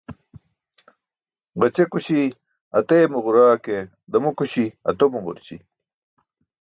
Gaćekuśi ateemġura ke, ḍamokuśi atomġurći.